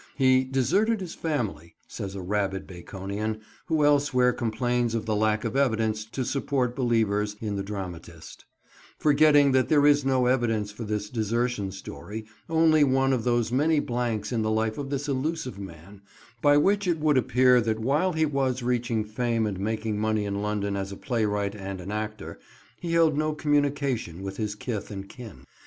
He "deserted his family," says a rabid Baconian, who elsewhere complains of the lack of evidence to support believers in the dramatist; forgetting that there is no evidence for this "desertion" story; only one of those many blanks in the life of this elusive man, by which it would appear that while he was reaching fame and making money in London as a playwright and an actor, he held no communication with his kith and kin.